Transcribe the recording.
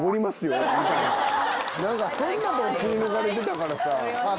何か変なとこ切り抜かれてたからさ。